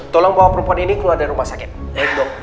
tolong bawa perempuan ini keluar dari rumah sakit baik dong